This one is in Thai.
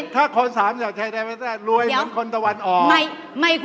ถ้าคนสามอยากใช้ได้รวยเหมือนคนตะวันออก